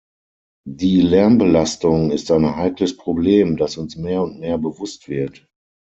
Die Lärmbelastung ist ein heikles Problem, das uns mehr und mehr bewusst wird.